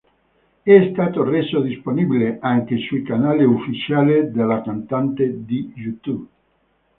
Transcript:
È stato reso disponibile anche sul canale ufficiale della cantante di YouTube.